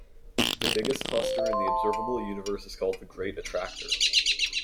The biggest cluster in the observable universe is called the Great Attractor.